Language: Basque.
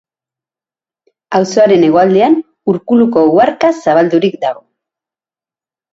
Auzoaren hegoaldean Urkuluko uharka zabaldurik dago.